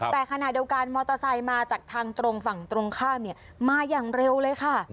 แต่ขณะเดียวกันมอเตอร์ไซค์มาจากทางตรงฝั่งตรงข้ามมาอย่างเร็วเลยค่ะ